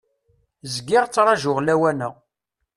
Zgiɣ ttrajuɣ lawan-a.